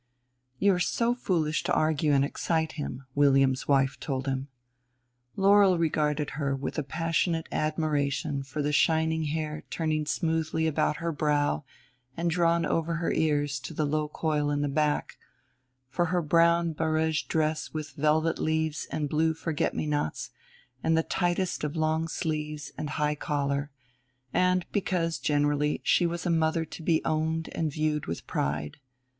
"You are so foolish to argue and excite him," William's wife told him. Laurel regarded her with a passionate admiration for the shining hair turning smoothly about her brow and drawn over her ears to the low coil in the back, for her brown barége dress with velvet leaves and blue forget me nots and tightest of long sleeves and high collar, and because generally she was a mother to be owned and viewed with pride.